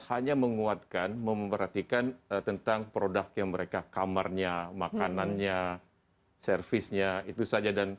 hanya menguatkan memperhatikan tentang produk yang mereka kamarnya makanannya servisnya itu saja